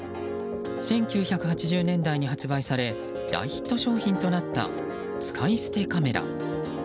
１９８０年代に発売され大ヒット商品となった使い捨てカメラ。